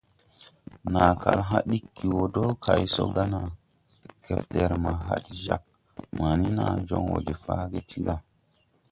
Naa kal haʼ diggi wo do kay so ga na, kefder ma had jāg mani naa joŋ wo de faage ti ga.